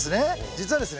実はですね